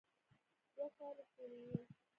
دوؤ کالو پورې ئې